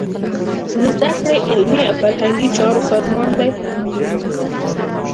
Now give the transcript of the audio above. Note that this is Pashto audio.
د زده کړې، علمي او فرهنګي چارو سازمان دی.